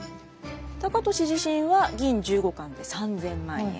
高利自身は銀１５貫で３，０００万円。